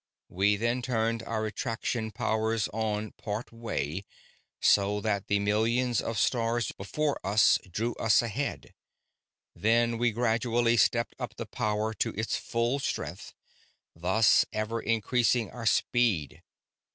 We then turned our attraction powers on part way so that the millions of stars before us drew us ahead, then we gradually stepped up the power to its full strength, thus ever increasing our speed.